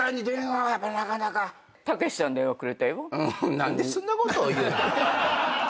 何でそんなことを言うの？